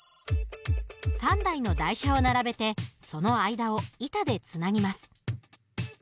３台の台車を並べてその間を板でつなぎます。